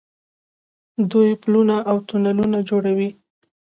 دوی پلونه او تونلونه جوړوي.